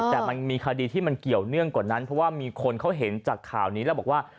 แต่มันมีคดีที่มันเกี่ยวเนื่องกว่านั้นเพราะว่ามีคนเขาเห็นจากข่าวนี้แล้วบอกว่า